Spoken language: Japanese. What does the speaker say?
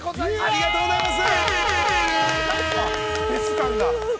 ◆ありがとうございます！